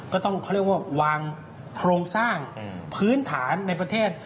ก็ต้องเขาเรียกว่าวางโครงสร้างพื้นฐานในประเทศ